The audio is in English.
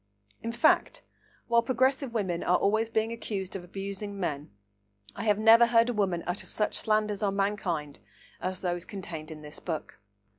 In fact, while progressive women are always being accused of abusing men, I have never heard a woman utter such slanders on mankind as those contained in this book.